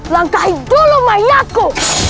langkahin dulu mayatku